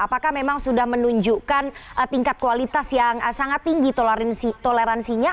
apakah memang sudah menunjukkan tingkat kualitas yang sangat tinggi toleransinya